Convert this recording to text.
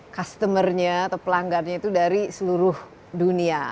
customer nya atau pelanggarnya itu dari seluruh dunia